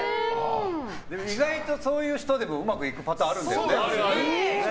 意外とそういう人でもうまくいくパターンあるんだよね。